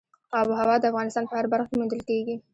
آب وهوا د افغانستان په هره برخه کې موندل کېږي.